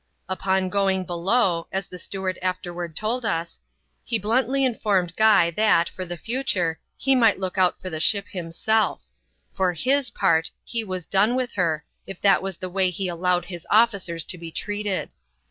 17 Upon going below — as the steward afterward told us — he bluntly informed Guy that, for the future, he might look out for his ship himself; for his part, he was done with her, if that was the way he allowed his officers to be treated.